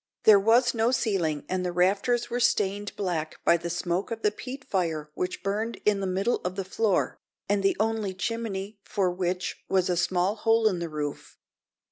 There was no ceiling, and the rafters were stained black by the smoke of the peat fire which burned in the middle of the floor, and the only chimney for which was a small hole in the roof.